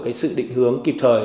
chuyển hướng kịp thời